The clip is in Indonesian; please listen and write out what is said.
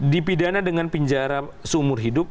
dipidana dengan penjara seumur hidup